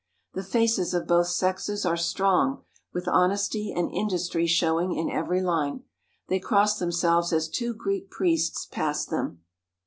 The faces of both sexes are strong, with honesty and industry showing in every line. They cross themselves as two Greek priests pass them.